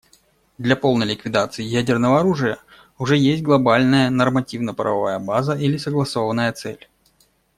Для полной ликвидации ядерного оружия уже есть глобальная нормативно-правовая база или согласованная цель.